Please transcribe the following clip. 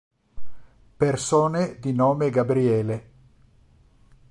Persone di nome Gabriele